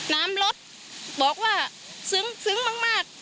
น้ำลดบอกว่าซึ้งมาก